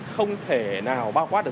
không thể nào bao quát được